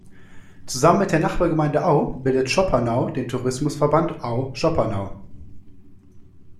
Zusammen mit der Nachbargemeinde Au bildet Schoppernau den Tourismus-Verband Au-Schoppernau.